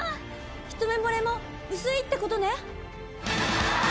一目ぼれも薄いってことね。